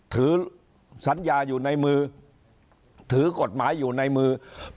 ถือสัญญาอยู่ในมือถือกฎหมายอยู่ในมือ